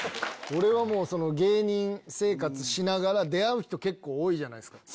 俺は芸人生活しながら出会う人多いじゃないっすか。